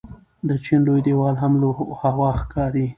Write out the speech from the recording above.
د چین لوی دیوال هم له هوا ښکاري.